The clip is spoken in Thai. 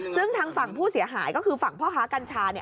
ซึ่งทางฝั่งผู้เสียหายก็คือฝั่งพ่อค้ากัญชา